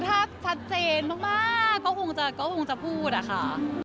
ครับชัดเจนมากก็คงจะพูดค่ะ